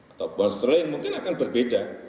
atau won strollen mungkin akan berbeda